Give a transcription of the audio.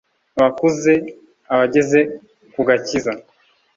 abakuze abageze ku gakiza